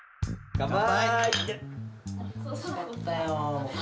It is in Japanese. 乾杯！